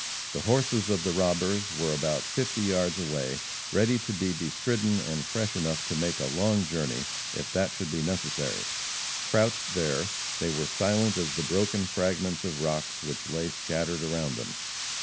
The horses of the robbers were about fifty yards away ready to be bestridden, and fresh enough to make a long journey if that should be necessary. Crouched there, they were silent as the broken fragments of rocks which lay scattered around them.